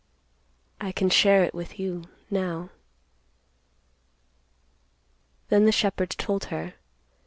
I can share it with you, now." Then the shepherd told her.